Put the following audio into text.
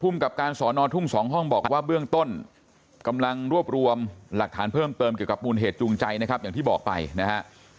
กับการสอนอทุ่ง๒ห้องบอกว่าเบื้องต้นกำลังรวบรวมหลักฐานเพิ่มเติมเกี่ยวกับมูลเหตุจูงใจนะครับอย่างที่บอกไปนะฮะ